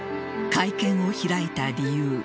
会見を開いた理由